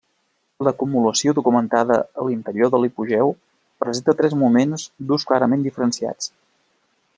L'acumulació documentada a l'interior de l'hipogeu presenta tres moments d'ús clarament diferenciats.